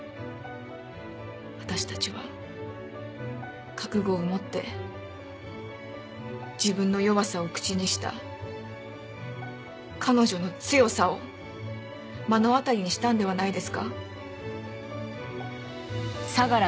私たちは覚悟をもって自分の弱さを口にした彼女の強さを目の当たりにしたんではないですか？